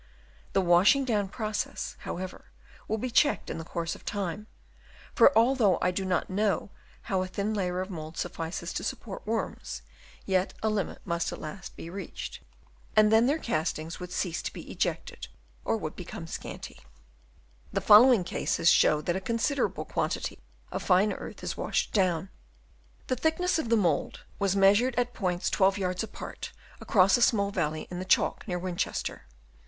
The washing down process, how ever, will be checked in the course of time ; for although I do not know how thin a layer of mould suffices to support worms, yet a limit must at last be reached ; and then their cast 304 DENUDATION OF THE LAND. Chap. VI. ings would cease to be ejected or would become scanty. The following cases show that a consider able quantity of fine earth is washed down. The thickness of the mould was measured at points 12 yards apart across a small valley in the Chalk near Winchester.